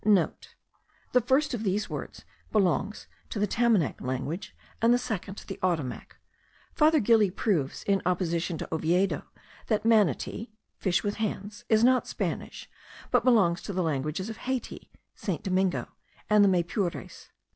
(* The first of these words belongs to the Tamanac language, and the second to the Ottomac. Father Gili proves, in opposition to Oviedo, that manati (fish with hands) is not Spanish, but belongs to the languages of Hayti (St. Domingo) and the Maypures.